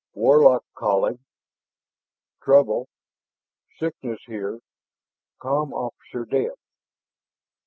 "Warlock calling trouble sickness here com officer dead."